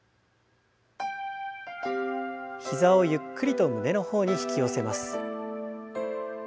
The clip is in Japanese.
膝をゆっくりと胸の方に引き寄せます。